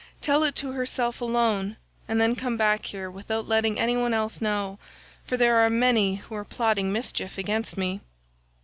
Tell it to herself alone, and then come back here without letting any one else know, for there are many who are plotting mischief against me."